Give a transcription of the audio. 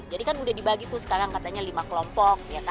jadi kan udah dibagi tuh sekarang katanya lima kelompok